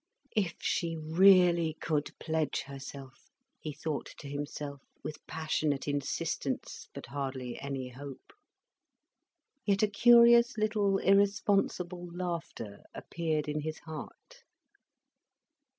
"If she really could pledge herself," he thought to himself, with passionate insistence but hardly any hope. Yet a curious little irresponsible laughter appeared in his heart.